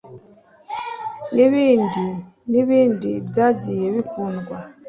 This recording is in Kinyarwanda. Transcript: n'ibindi n'ibindi byagiye bikundwa.